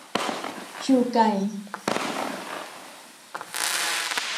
ชูไก